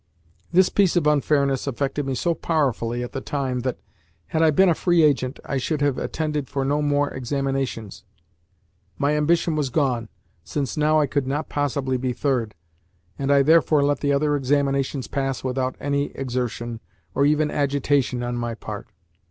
This piece of unfairness affected me so powerfully at the time that, had I been a free agent, I should have attended for no more examinations. My ambition was gone (since now I could not possibly be third), and I therefore let the other examinations pass without any exertion, or even agitation, on my part.